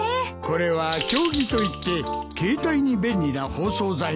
これは経木といって携帯に便利な包装材なんだ。